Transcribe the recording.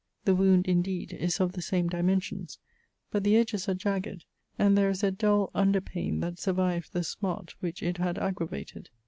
The wound indeed is of the same dimensions; but the edges are jagged, and there is a dull underpain that survives the smart which it had aggravated.